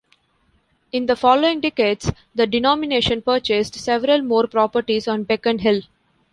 In the following decades, the denomination purchased several more properties on Beacon Hill.